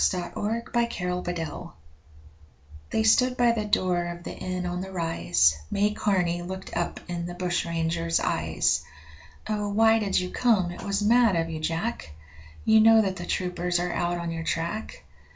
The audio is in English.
Taking His Chance They stood by the door of the Inn on the Rise; May Carney looked up in the bushranger's eyes: 'Oh! why did you come? it was mad of you, Jack; You know that the troopers are out on your track.'